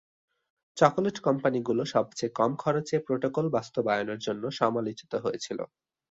Chocolate কোম্পানিগুলো সবচেয়ে কম খরচে প্রোটোকল বাস্তবায়নের জন্য সমালোচিত হয়েছিল।